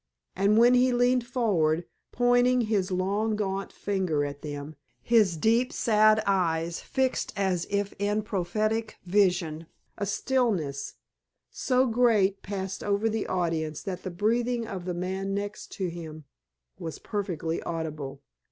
And when he leaned forward, pointing his long, gaunt finger at them, his deep, sad eyes fixed as if in prophetic vision, a stillness so great passed over the audience that the breathing of the man next him was perfectly audible.